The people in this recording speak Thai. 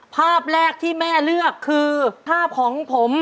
ภาพแรกที่แม่เลือกคือภาพของผม